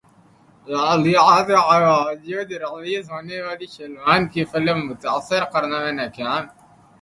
تنازعات کے باوجود ریلیز ہونے والی سلمان کی فلم متاثر کرنے میں ناکام